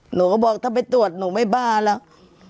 หนูก็บอกถ้าไปตรวจหนูไม่บ้าแล้ว